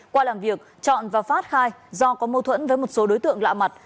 qua làm việc chọn và phát khai do có mâu thuẫn với một số đối tượng lạ mặt